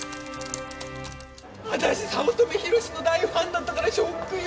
私早乙女宏志の大ファンだったからショックよ。